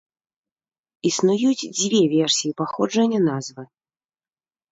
Існуюць дзве версіі паходжання назвы.